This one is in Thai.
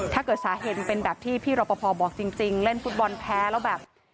ถ้าเกิดสาเหตุมันเป็นแบบที่พี่รอปภบอกจริงเล่นฟุตบอลแพ้แล้วแบบ